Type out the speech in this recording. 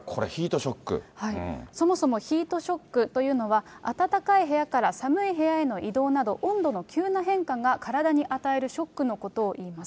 そもそもヒートショックというのは、暖かい部屋から寒い部屋への移動など、温度の急な変化が体に与えるショックのことをいいます。